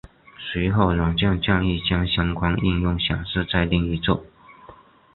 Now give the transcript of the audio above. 随后软件建议将相关应用显示在另一侧。